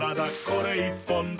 これ１本で」